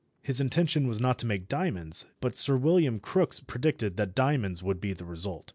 His intention was not to make diamonds, but Sir William Crookes predicted that diamonds would be the result.